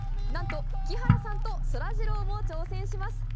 なんと木原さんとそらジローも挑戦します。